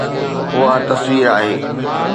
اها تصوير آهي